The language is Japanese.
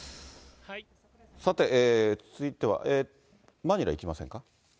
さて、続いては、マニラ行きませんか。